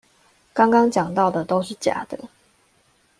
剛剛講到的都是假的